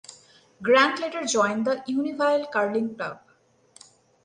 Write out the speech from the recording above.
Grant later joined the Unionville Curling Club.